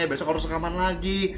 besok harus rekaman lagi